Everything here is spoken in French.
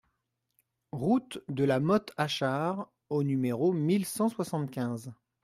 Route de la Mothe Achard au numéro mille cent soixante-quinze